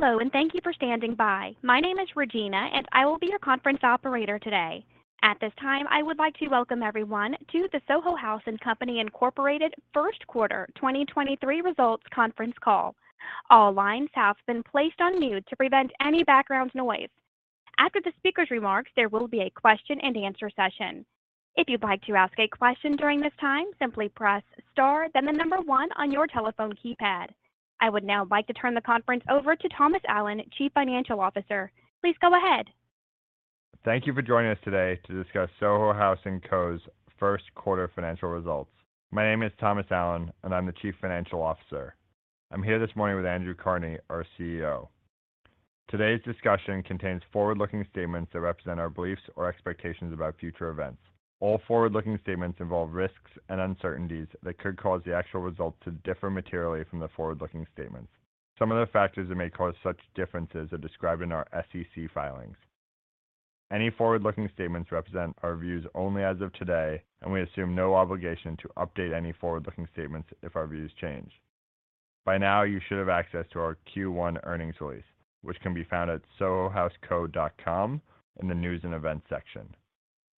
Hello, and thank you for standing by. My name is Regina, and I will be your conference operator today. At this time, I would like to welcome everyone to the Soho House & Co Inc. first quarter 2023 results conference call. All lines have been placed on mute to prevent any background noise. After the speaker's remarks, there will b question-and-answer session. If you'd like to ask a question during this time, simply press Star then the number one on your telephone keypad. I would now like to turn the conference over to Thomas Allen, Chief Financial Officer. Please go ahead. Thank you for joining us today to discuss Soho House & Co's first quarter financial results. My name is Thomas Allen, I'm the Chief Financial Officer. I'm here this morning with Andrew Carnie, our CEO. Today's discussion contains forward-looking statements that represent our beliefs or expectations about future events. All forward-looking statements involve risks and uncertainties that could cause the actual results to differ materially from the forward-looking statements. Some of the factors that may cause such differences are described in our SEC filings. Any forward-looking statements represent our views only as of today, we assume no obligation to update any forward-looking statements if our views change. By now, you should have access to our Q1 earnings release, which can be found at sohohouseco.com in the news and events section.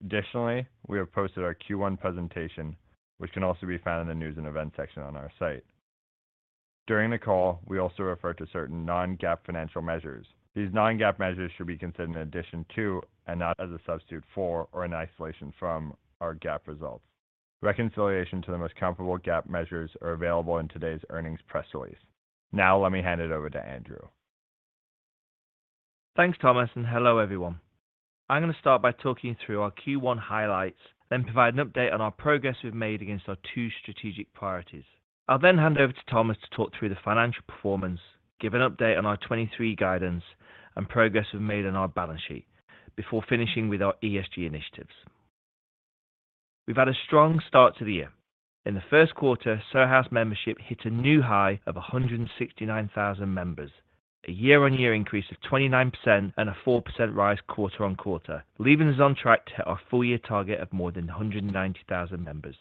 We have posted our Q1 presentation, which can also be found in the news and events section on our site. During the call, we also refer to certain non-GAAP financial measures. These non-GAAP measures should be considered in addition to, and not as a substitute for or in isolation from, our GAAP results. Reconciliation to the most comparable GAAP measures are available in today's earnings press release. Let me hand it over to Andrew. Thanks, Thomas. Hello, everyone. I'm gonna start by talking through our Q1 highlights, provide an update on our progress we've made against our two strategic priorities. I'll hand over to Thomas to talk through the financial performance, give an update on our 2023 guidance and progress we've made on our balance sheet before finishing with our ESG initiatives. We've had a strong start to the year. In the first quarter, Soho House membership hit a new high of 169,000 members, a year-on-year increase of 29% and a 4% rise quarter-on-quarter, leaving us on track to hit our full-year target of more than 190,000 members.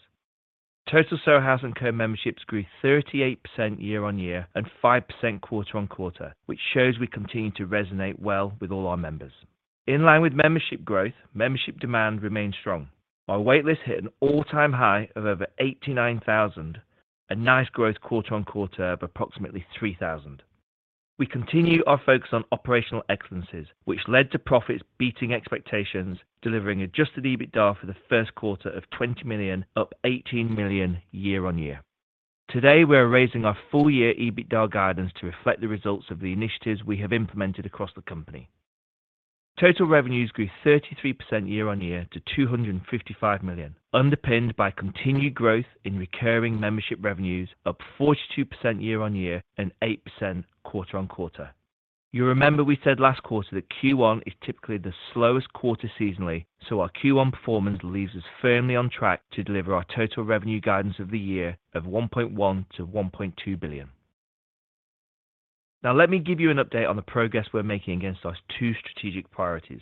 Total Soho House & Co memberships grew 38% year-on-year and 5% quarter-on-quarter, which shows we continue to resonate well with all our members. In line with membership growth, membership demand remains strong. Our wait list hit an all-time high of over 89,000, a nice growth quarter-on-quarter of approximately 3,000. We continue our focus on operational excellences which led to profits beating expectations, delivering adjusted EBITDA for the first quarter of $20 million, up $18 million year-on-year. Today, we're raising our full-year EBITDA guidance to reflect the results of the initiatives we have implemented across the company. Total revenues grew 33% year-on-year to $255 million, underpinned by continued growth in recurring membership revenues, up 42% year-on-year and 8% quarter-on-quarter. You remember we said last quarter that Q1 is typically the slowest quarter seasonally, so our Q1 performance leaves us firmly on track to deliver our total revenue guidance of the year of $1.1 billion-$1.2 billion. Let me give you an update on the progress we're making against our two strategic priorities.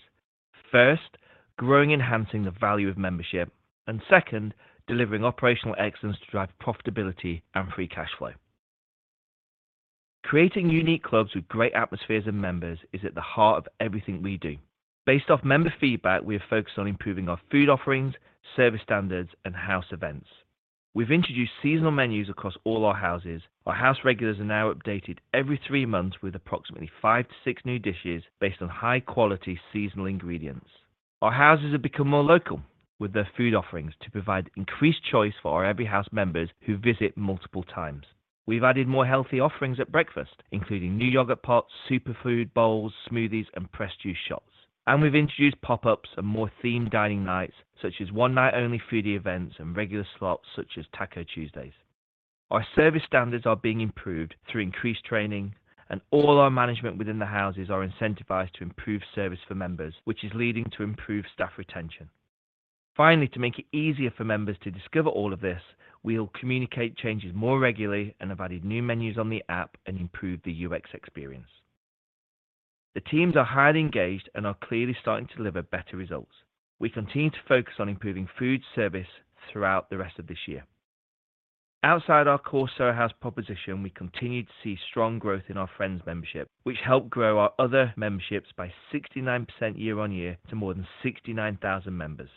First, growing enhancing the value of membership and second, delivering operational excellence to drive profitability and free cash flow. Creating unique clubs with great atmospheres and members is at the heart of everything we do. Based off member feedback, we have focused on improving our Food Offerings, Service Standards, and House events. We've introduced seasonal menus across all our Houses. Our House regulars are now updated every three months with approximately five to six new dishes based on high quality seasonal ingredients. Our Houses have become more local with their food offerings to provide increased choice for our Every House members who visit multiple times. We've added more healthy offerings at breakfast, including new yogurt pots, superfood bowls, smoothies, and pressed juice shots. We've introduced pop-ups and more themed dining nights, such as one night only foodie events and regular slots such as Taco Tuesdays. Our Service Standards are being improved through increased training, and all our management within the Houses are incentivized to improve service for members, which is leading to improved staff retention. Finally, to make it easier for members to discover all of this, we'll communicate changes more regularly and have added new menus on the app and improved the UX experience. The teams are highly engaged and are clearly starting to deliver better results. We continue to focus on improving Food Service throughout the rest of this year. Outside our core Soho House proposition, we continue to see strong growth in our Soho Friends membership, which help grow our other memberships by 69% year-over-year to more than 69,000 members.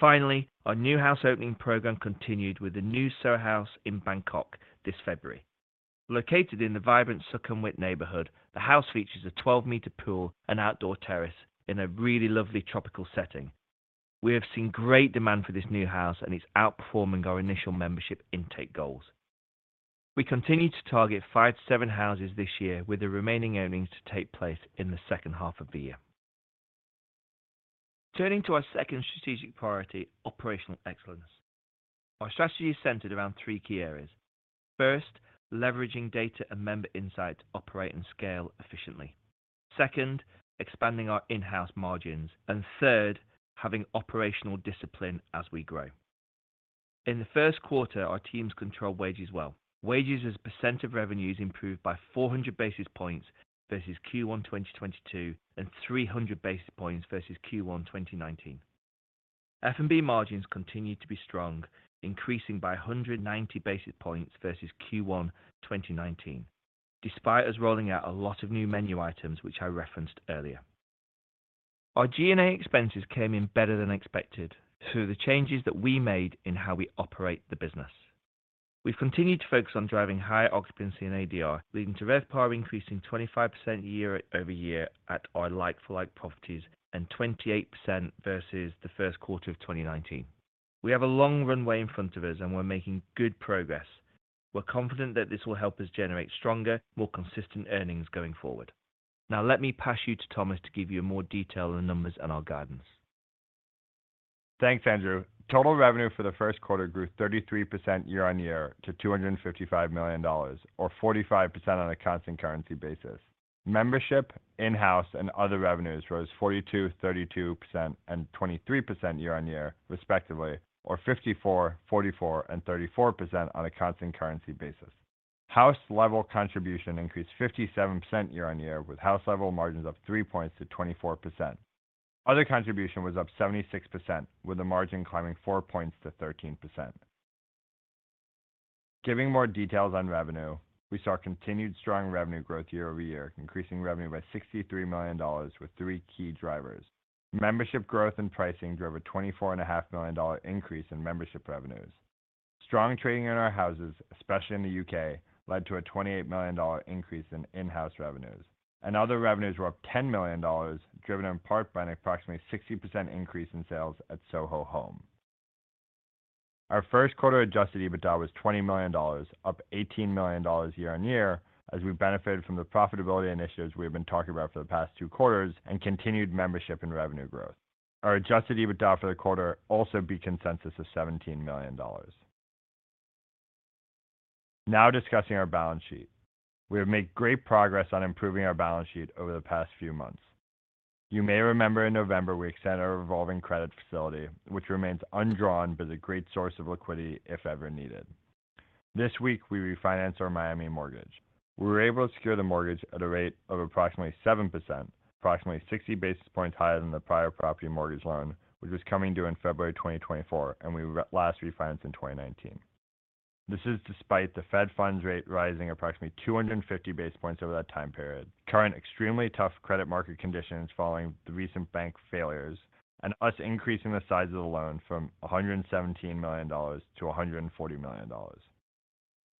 Finally, our new house opening program continued with the new Soho House in Bangkok this February. Located in the vibrant Sukhumvit neighborhood, the house features a 12 m pool and outdoor terrace in a really lovely tropical setting. We have seen great demand for this new house. It's outperforming our initial membership intake goals. We continue to target 5-7 houses this year with the remaining openings to take place in the second half of the year. Turning to our second strategic priority, operational excellence. Our strategy is centered around three key areas. First, leveraging data and member insight to operate and scale efficiently. Second, expanding our in-house margins. Third, having operational discipline as we grow. In the first quarter, our teams control wages well. Wages as percent of revenues improved by 400 basis points versus Q1 2022 and 300 basis points versus Q1 2019. F&B margins continued to be strong, increasing by 190 basis points versus Q1 2019, despite us rolling out a lot of new menu items which I referenced earlier. Our G&A expenses came in better than expected through the changes that we made in how we operate the business. We've continued to focus on driving higher occupancy and ADR, leading to RevPAR increasing 25% year-over-year at our like-for-like properties and 28% versus the first quarter of 2019. We have a long runway in front of us, and we're making good progress. We're confident that this will help us generate stronger, more consistent earnings going forward. Now, let me pass you to Thomas to give you more detail on the numbers and our guidance. Thanks, Andrew. Total revenue for the first quarter grew 33% year-over-year to $255 million or 45% on a constant currency basis. Membership, in-house, and other revenues rose 42%, 32%, and 23% year-over-year respectively or 54%, 44%, and 34% on a constant currency basis. house level contribution increased 57% year-over-year with house level margins up three points to 24%. Other contribution was up 76% with the margin climbing 4 points to 13%. Giving more details on revenue, we saw continued strong revenue growth year-over-year, increasing revenue by $63 million with three key drivers. Membership growth and pricing drove a twenty-four and a half million dollar increase in membership revenues. Strong trading in our houses, especially in the U.K., led to a $28 million increase in in-house revenues. Other revenues were up $10 million, driven in part by an approximately 60% increase in sales at Soho Home. Our first quarter adjusted EBITDA was $20 million, up $18 million year-on-year as we benefited from the profitability initiatives we have been talking about for the past two quarters and continued membership and revenue growth. Our adjusted EBITDA for the quarter also beat consensus of $17 million. Discussing our balance sheet. We have made great progress on improving our balance sheet over the past few months. You may remember in November we extended our revolving credit facility, which remains undrawn but is a great source of liquidity if ever needed. This week we refinanced our Miami mortgage. We were able to secure the mortgage at a rate of approximately 7%, approximately 60 basis points higher than the prior property mortgage loan, which was coming due in February 2024, and we last refinanced in 2019. This is despite the federal funds rate rising approximately 250 basis points over that time period, current extremely tough credit market conditions following the recent bank failures and us increasing the size of the loan from $117 million to $140 million.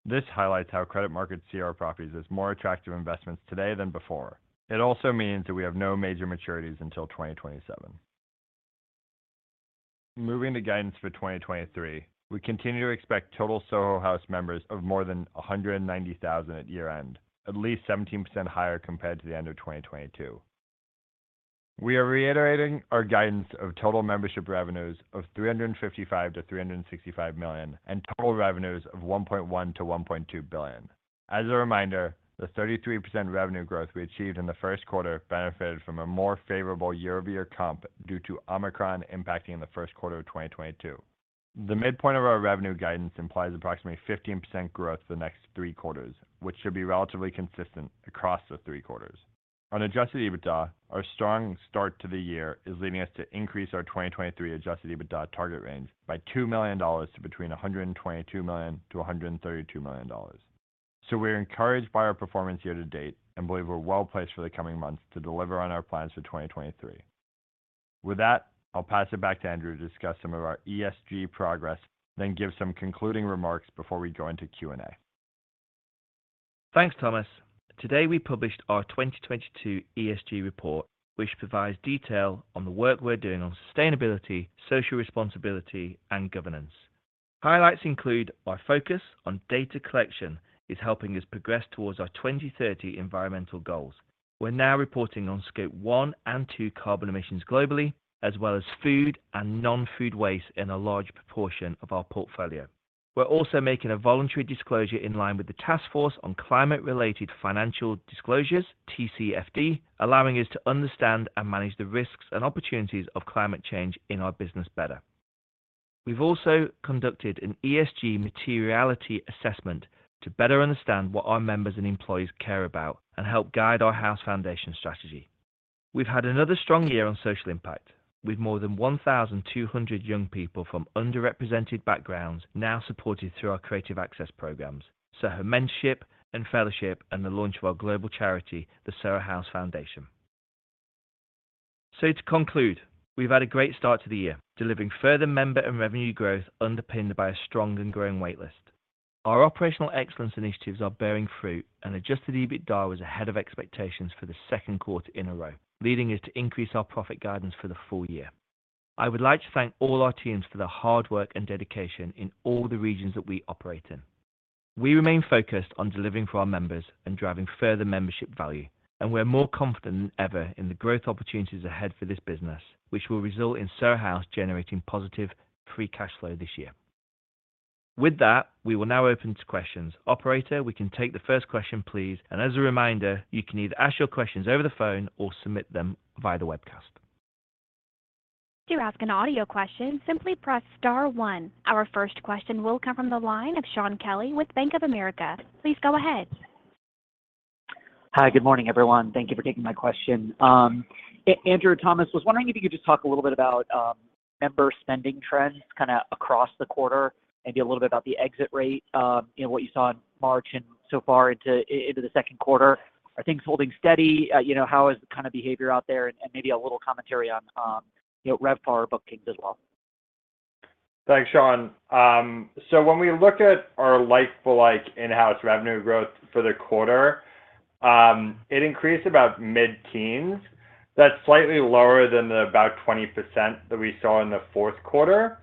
This highlights how credit markets see our properties as more attractive investments today than before. It also means that we have no major maturities until 2027. Moving to guidance for 2023. We continue to expect total Soho House members of more than 190,000 at year end, at least 17% higher compared to the end of 2022. We are reiterating our guidance of total membership revenues of $355 million-$365 million and total revenues of $1.1 billion-$1.2 billion. As a reminder, the 33% revenue growth we achieved in the first quarter benefited from a more favorable year-over-year comp due to Omicron impacting the first quarter of 2022. The midpoint of our revenue guidance implies approximately 15% growth for the next three quarters, which should be relatively consistent across the three quarters. On adjusted EBITDA, our strong start to the year is leading us to increase our 2023 adjusted EBITDA target range by $2 million to between $122 million-$132 million. We are encouraged by our performance year to date and believe we're well placed for the coming months to deliver on our plans for 2023. With that, I'll pass it back to Andrew to discuss some of our ESG progress, then give some concluding remarks before we go into Q&A. Thanks, Thomas. Today we published our 2022 ESG report, which provides detail on the work we're doing on sustainability, social responsibility, and governance. Highlights include our focus on data collection is helping us progress towards our 2030 environmental goals. We're now reporting on Scope 1 and 2 carbon emissions globally, as well as food and non-food waste in a large proportion of our portfolio. We're also making a voluntary disclosure in line with the Task Force on Climate-related Financial Disclosures, TCFD, allowing us to understand and manage the risks and opportunities of climate change in our business better. We've also conducted an ESG materiality assessment to better understand what our members and employees care about and help guide our House Foundation strategy. We've had another strong year on social impact, with more than 1,200 young people from underrepresented backgrounds now supported through our creative access programs, Soho Mentorship and Fellowship, and the launch of our global charity, The Soho House Foundation. To conclude, we've had a great start to the year, delivering further member and revenue growth underpinned by a strong and growing waitlist. Our operational excellence initiatives are bearing fruit, adjusted EBITDA was ahead of expectations for the second quarter in a row, leading us to increase our profit guidance for the full-year. I would like to thank all our teams for their hard work and dedication in all the regions that we operate in. We remain focused on delivering for our members and driving further membership value, and we're more confident than ever in the growth opportunities ahead for this business, which will result in Soho House generating positive free cash flow this year. With that, we will now open to questions. Operator, we can take the first question, please. As a reminder, you can either ask your questions over the phone or submit them via the webcast. To ask an audio question, simply press Star one. Our first question will come from the line of Shaun Kelley with Bank of America. Please go ahead. Hi, good morning, everyone. Thank you for taking my question. Andrew, Thomas, was wondering if you could just talk a little bit about member spending trends kinda across the quarter, maybe a little bit about the exit rate, you know, what you saw in March and so far into the second quarter. Are things holding steady? You know, how is the kind of behavior out there? Maybe a little commentary on, you know, RevPAR bookings as well? Thanks, Shaun. When we look at our like-for-like in-house revenue growth for the quarter, it increased about mid-teens. That's slightly lower than the about 20% that we saw in the fourth quarter.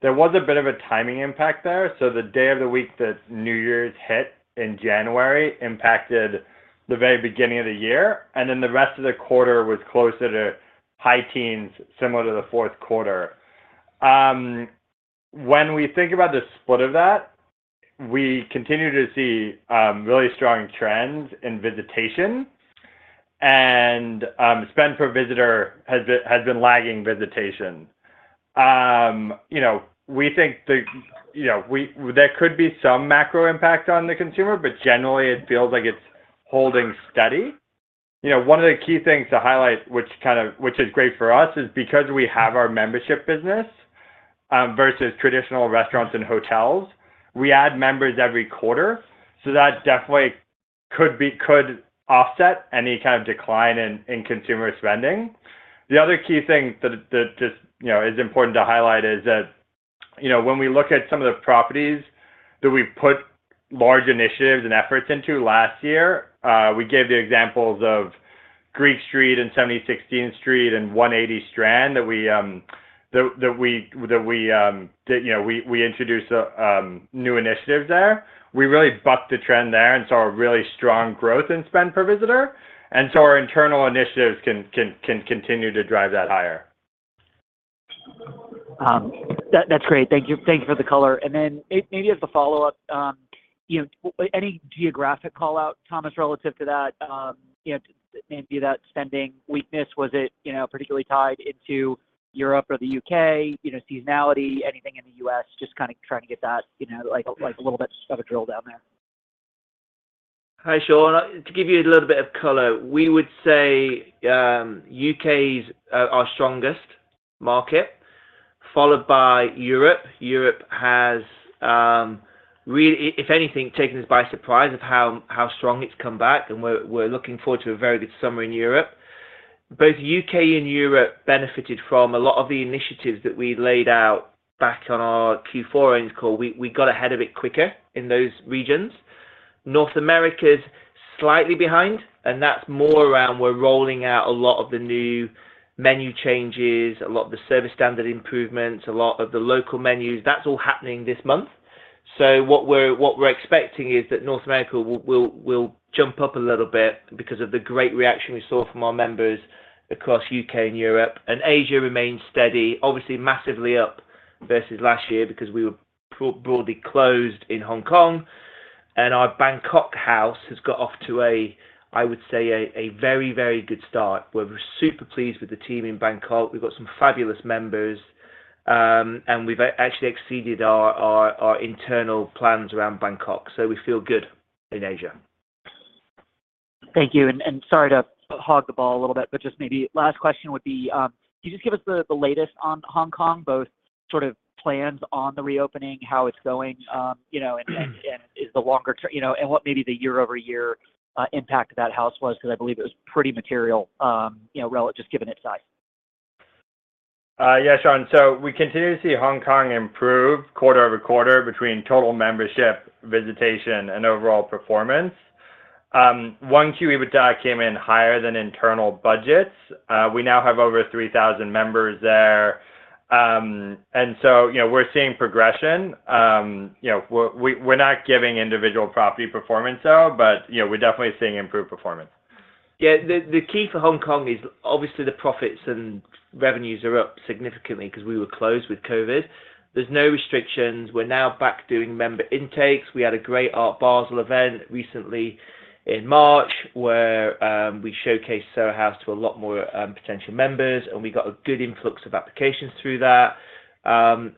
There was a bit of a timing impact there, so the day of the week that New Year's hit in January impacted the very beginning of the year. The rest of the quarter was closer to high teens, similar to the fourth quarter. When we think about the split of that, we continue to see really strong trends in visitation, and spend per visitor has been lagging visitation. You know, we think the, you know, there could be some macro impact on the consumer, but generally it feels like it's holding steady. You know, one of the key things to highlight, which is great for us, is because we have our membership business, versus traditional restaurants and hotels, we add members every quarter, so that definitely could offset any kind of decline in consumer spending. The other key thing that just, you know, is important to highlight is that, you know, when we look at some of the properties that we put large initiatives and efforts into last year, we gave the examples of Greek Street and 76 Dean Street and 180 Strand that we, you know, we introduced a new initiative there. We really bucked the trend there and saw a really strong growth in spend per visitor. Our internal initiatives can continue to drive that higher. That's great. Thank you. Thank you for the color. Maybe as a follow-up, you know, any geographic call-out, Thomas, relative to that, you know, maybe that spending weakness, was it, you know, particularly tied into Europe or the U.K., you know, seasonality, anything in the US? Just kind of trying to get that, you know, like a little bit of a drill down there. Hi, Shaun. To give you a little bit of color, we would say, U.K.'s our strongest market, followed by Europe. Europe has really, if anything, taken us by surprise of how strong it's come back, and we're looking forward to a very good summer in Europe. Both U.K. and Europe benefited from a lot of the initiatives that we laid out back on our Q4 earnings call. We got ahead of it quicker in those regions. North America's slightly behind, and that's more around we're rolling out a lot of the new menu changes, a lot of the service standard improvements, a lot of the local menus. That's all happening this month. What we're expecting is that North America will jump up a little bit because of the great reaction we saw from our members across U.K. and Europe. Asia remains steady, obviously massively up versus last year because we were probably closed in Hong Kong. Our Bangkok house has got off to I would say a very, very good start. We're super pleased with the team in Bangkok. We've got some fabulous members, and we've actually exceeded our internal plans around Bangkok, so we feel good in Asia. Thank you. Sorry to hog the ball a little bit, but just maybe last question would be, can you just give us the latest on Hong Kong, both sort of plans on the reopening, how it's going, you know, and, and is the longer you know, and what maybe the year-over-year impact of that house was because I believe it was pretty material, you know, just given its size? Yeah, Shaun Kelley. We continue to see Hong Kong improve quarter-over-quarter between total membership visitation and overall performance. 1Q EBITDA came in higher than internal budgets. We now have over 3,000 members there. You know, we're seeing progression. You know, we're not giving individual property performance out, but, you know, we're definitely seeing improved performance. The key for Hong Kong is obviously the profits and revenues are up significantly because we were closed with COVID. There's no restrictions. We're now back doing member intakes. We had a great Art Basel event recently in March, where we showcased Soho House to a lot more potential members, and we got a good influx of applications through that.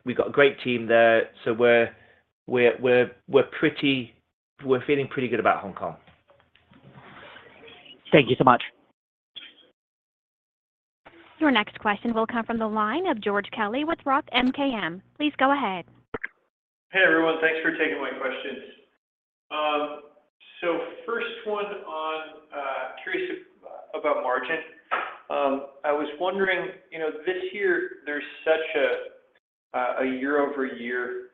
We got a great team there. We're feeling pretty good about Hong Kong. Thank you so much. Your next question will come from the line of George Kelly with Roth MKM. Please go ahead. Hey, everyone. Thanks for taking my questions. First one on, curious about margin. I was wondering, you know, this year there's such a year-over-year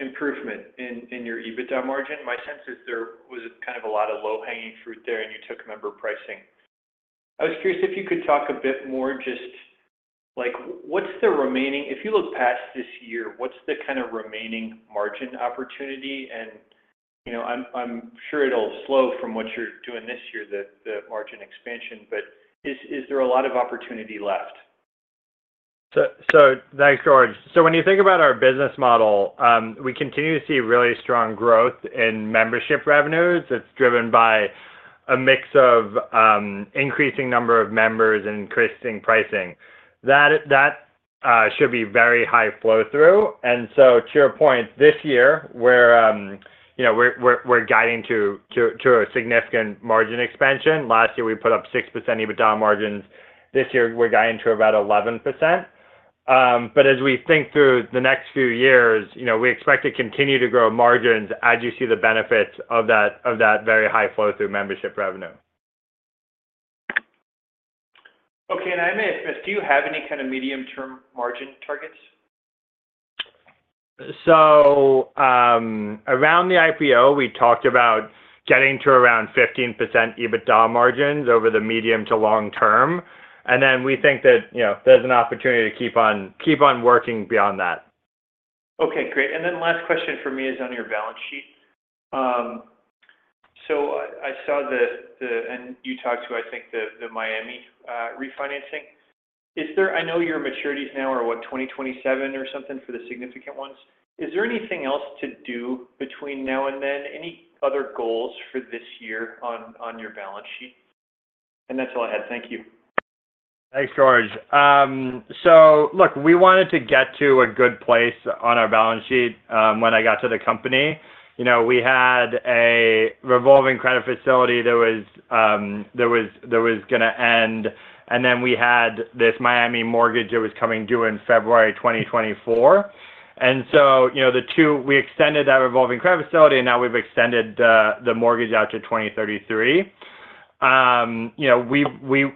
improvement in your EBITDA margin. My sense is there was kind of a lot of low-hanging fruit there, and you took member pricing. I was curious if you could talk a bit more just like, what's the remaining, if you look past this year, what's the kind of remaining margin opportunity? You know, I'm sure it'll slow from what you're doing this year, the margin expansion, but is there a lot of opportunity left? Thanks, George. When you think about our business model, we continue to see really strong growth in membership revenues. It's driven by a mix of increasing number of members, increasing pricing. That should be very high flow-through. To your point, this year we're, you know, guiding to a significant margin expansion. Last year, we put up 6% EBITDA margins. This year, we're guiding to about 11%. As we think through the next few years, you know, we expect to continue to grow margins as you see the benefits of that very high flow-through membership revenue. Okay. I may ask, do you have any kind of medium-term margin targets? Around the IPO, we talked about getting to around 15% adjusted EBITDA margins over the medium to long term. We think that, you know, there's an opportunity to keep on working beyond that. Okay, great. Last question for me is on your balance sheet. I saw the and you talked to, I think, the Miami refinancing. Is there? I know your maturities now are, what, 2027 or something for the significant ones? Is there anything else to do between now and then? Any other goals for this year on your balance sheet? That's all I had. Thank you. Thanks, George. Look, we wanted to get to a good place on our balance sheet. When I got to the company, you know, we had a revolving credit facility that was gonna end, we had this Miami mortgage that was coming due in February 2024. You know, we extended our revolving credit facility, now we've extended the mortgage out to 2033. You know, we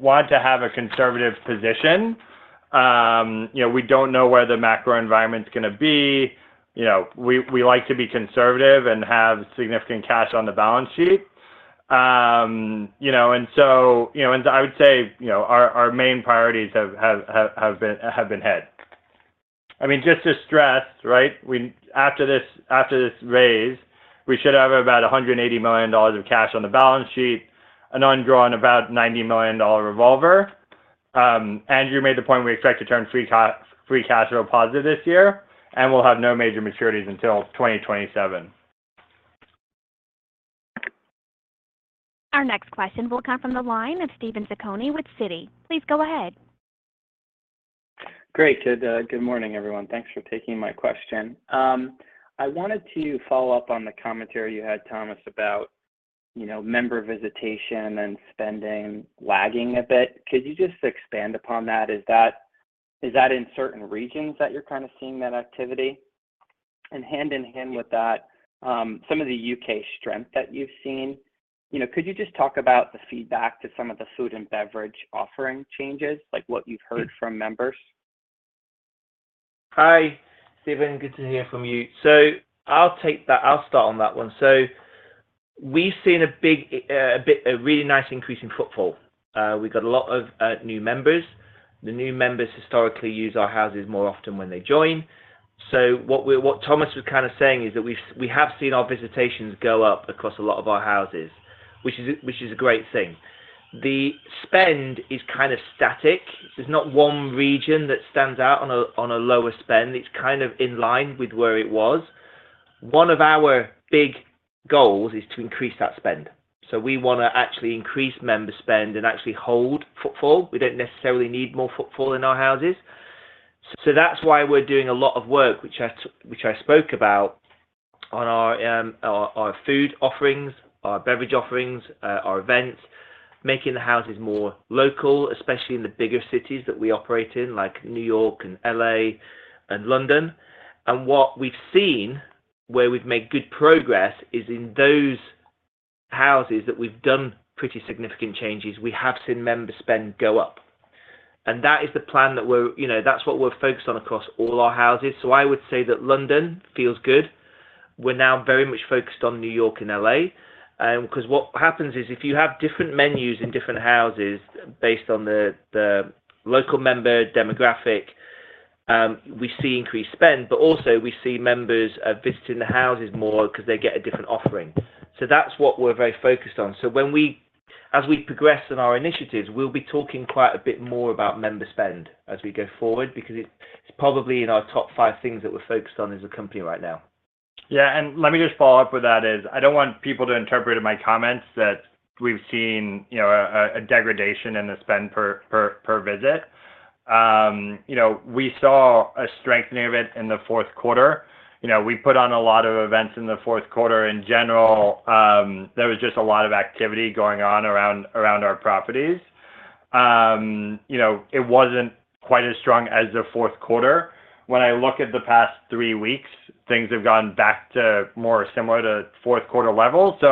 want to have a conservative position. You know, we don't know where the macro environment's gonna be. You know, we like to be conservative and have significant cash on the balance sheet. You know, our main priorities have been hit. I mean, just to stress, right, after this, after this raise, we should have about $180 million of cash on the balance sheet, an undrawn about $90 million revolver. Andrew made the point we expect to turn free cash flow positive this year. We'll have no major maturities until 2027. Our next question will come from the line of Steven Zaccone with Citi. Please go ahead. Great. Good, good morning, everyone. Thanks for taking my question. I wanted to follow up on the commentary you had, Thomas, about, you know, member visitation and spending lagging a bit. Could you just expand upon that? Is that in certain regions that you're kind of seeing that activity? Hand in hand with that, some of the U.K. strength that you've seen. You know, could you just talk about the feedback to some of the food and beverage offering changes, like what you've heard from members? Hi, Steven. Good to hear from you. I'll take that. I'll start on that one. We've seen a really nice increase in footfall. We've got a lot of new members. The new members historically use our houses more often when they join. What Thomas was kind of saying is that we have seen our visitations go up across a lot of our houses, which is a great thing. The spend is kind of static. There's not one region that stands out on a lower spend. It's kind of in line with where it was. One of our big goals is to increase that spend. We wanna actually increase member spend and actually hold footfall. We don't necessarily need more footfall in our houses. That's why we're doing a lot of work, which I spoke about on our food offerings, our beverage offerings, our events, making the houses more local, especially in the bigger cities that we operate in, like New York and L.A. and London. What we've seen, where we've made good progress, is in those houses that we've done pretty significant changes, we have seen member spend go up. You know, that's what we're focused on across all our houses. I would say that London feels good. We're now very much focused on New York and L.A. 'Cause what happens is if you have different menus in different houses based on the local member demographic, we see increased spend, but also we see members visiting the houses more because they get a different offering. That's what we're very focused on. As we progress on our initiatives, we'll be talking quite a bit more about member spend as we go forward because it's probably in our top five things that we're focused on as a company right now. Let me just follow up with that is I don't want people to interpret in my comments that we've seen, you know, a degradation in the spend per visit. You know, we saw a strengthening of it in the fourth quarter. We put on a lot of events in the fourth quarter. In general, there was just a lot of activity going on around our properties. You know, it wasn't quite as strong as the fourth quarter. When I look at the past three weeks, things have gone back to more similar to fourth quarter levels. You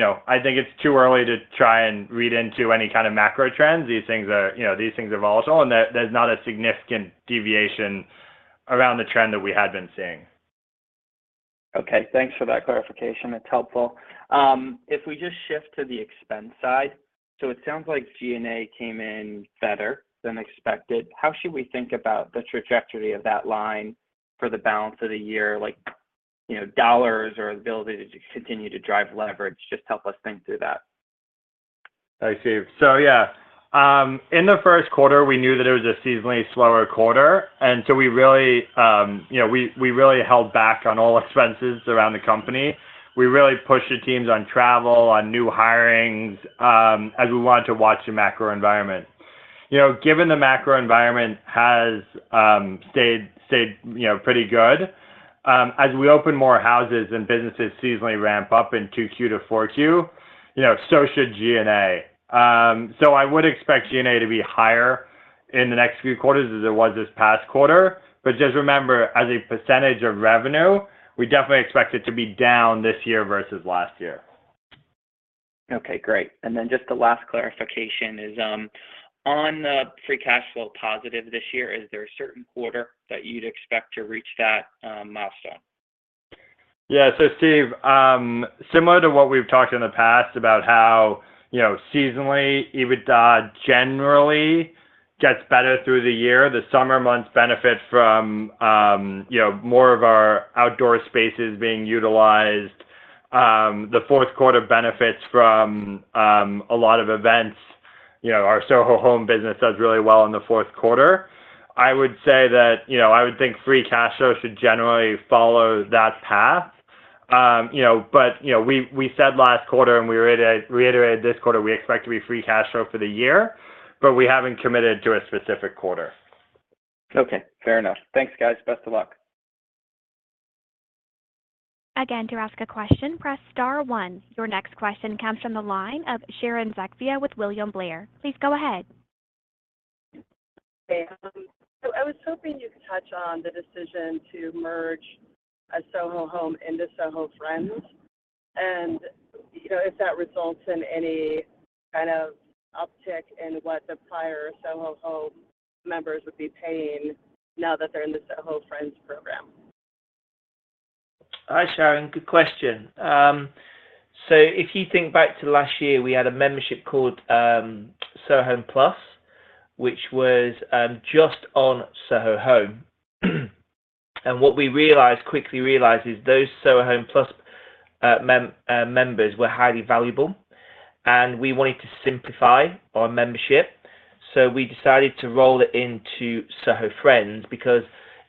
know, I think it's too early to try and read into any kind of macro trends. These things are, you know, these things are volatile, and there's not a significant deviation around the trend that we had been seeing. Okay. Thanks for that clarification. It's helpful. If we just shift to the expense side, so it sounds like G&A came in better than expected. How should we think about the trajectory of that line for the balance of the year, like, you know, dollars or the ability to continue to drive leverage? Just help us think through that. I see. Yeah. In the first quarter, we knew that it was a seasonally slower quarter, we really, you know, we really held back on all expenses around the company. We really pushed the teams on travel, on new hirings, as we wanted to watch the macro environment. You know, given the macro environment has stayed, you know, pretty good, as we open more houses and businesses seasonally ramp up in 2Q-4Q, you know, so should G&A. I would expect G&A to be higher in the next few quarters as it was this past quarter. Just remember, as a percentage of revenue, we definitely expect it to be down this year versus last year. Okay, great. Just the last clarification is, on the free cash flow positive this year, is there a certain quarter that you'd expect to reach that milestone? Yeah. Steve, similar to what we've talked in the past about how, you know, seasonally, EBITDA generally gets better through the year. The summer months benefit from, you know, more of our outdoor spaces being utilized. The fourth quarter benefits from a lot of events. You know, our Soho Home business does really well in the fourth quarter. I would say that, you know, I would think free cash flow should generally follow that path. You know, but, you know, we said last quarter, and we reiterated this quarter, we expect to be free cash flow for the year, but we haven't committed to a specific quarter. Okay. Fair enough. Thanks, guys. Best of luck. Again, to ask a question, press Star one. Your next question comes from the line of Sharon Zackfia with William Blair. Please go ahead. So I was hoping you could touch on the decision to merge Soho Home into Soho Friends, and, you know, if that results in any kind of uptick in what the prior Soho Home members would be paying now that they're in the Soho Friends program? Hi, Sharon. Good question. If you think back to last year, we had a membership called Soho Home Plus, which was just on Soho Home. What we realized, quickly realized is those Soho Home Plus members were highly valuable, and we wanted to simplify our membership, so we decided to roll it into Soho Friends, because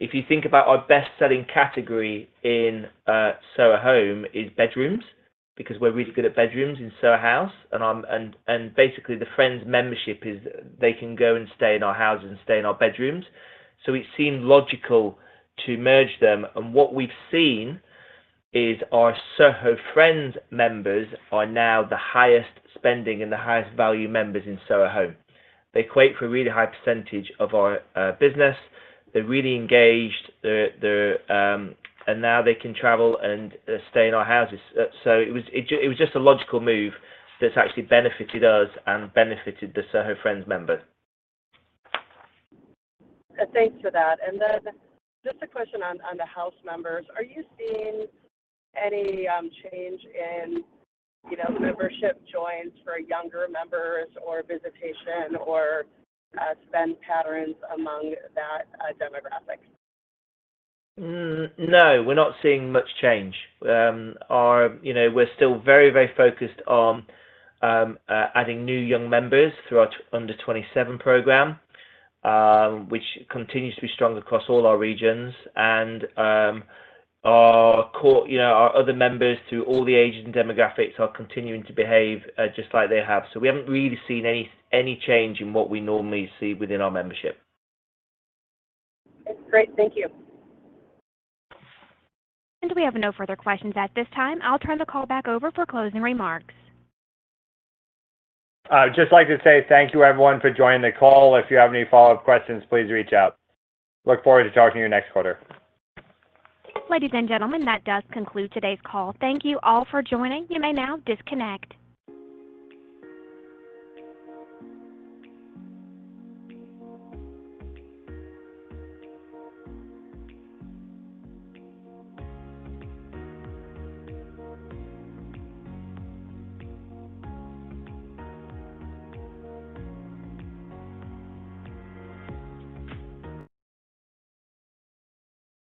if you think about our best-selling category in Soho Home is bedrooms, because we're really good at bedrooms in Soho House, and basically the Friends membership is they can go and stay in our houses and stay in our bedrooms. It seemed logical to merge them. What we've seen is our Soho Friends members are now the highest spending and the highest value members in Soho Home. They equate for a really high percentage of our business. They'r e really engaged. They're. Now they can travel and stay in our houses. It was just a logical move that's actually benefited us and benefited the Soho Friends members. Thanks for that. Just a question on the House members. Are you seeing any change in, you know, membership joins for younger members or visitation or spend patterns among that demographic? No, we're not seeing much change. You know, we're still very, very focused on adding new young members through our Under 27 program, which continues to be strong across all our regions. Our core, you know, our other members through all the age and demographics are continuing to behave just like they have. We haven't really seen any change in what we normally see within our membership. That's great. Thank you. We have no further questions at this time. I'll turn the call back over for closing remarks. I'd just like to say thank you, everyone, for joining the call. If you have any follow-up questions, please reach out. Look forward to talking to you next quarter. Ladies and gentlemen, that does conclude today's call. Thank you all for joining. You may now disconnect.